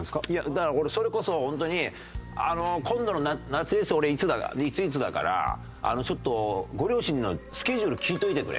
だから俺それこそ本当に「今度の夏俺いつだからいついつだからちょっとご両親のスケジュール聞いといてくれ」